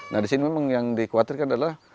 nah disini memang yang dikhawatirkan adalah